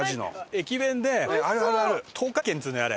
駅弁で東華軒っつうのよあれ。